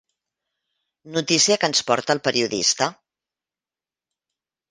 Notícia que ens porta el periodista.